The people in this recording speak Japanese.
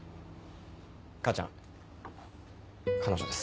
母ちゃん彼女です。